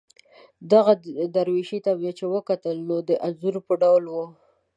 دې درویشي ته مې چې وکتل، نو د انځور په ډول وه.